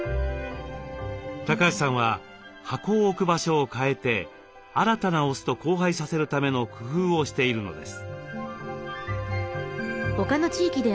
橋さんは箱を置く場所を変えて新たなオスと交配させるための工夫をしているのです。